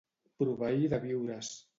Proveir de viures.